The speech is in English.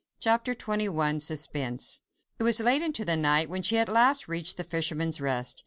CHAPTER XXI. SUSPENSE It was late into the night when she at last reached "The Fisherman's Rest."